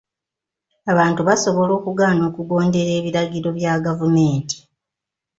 Abantu basobola okugaana okugondera ebiragiro bya gavumenti.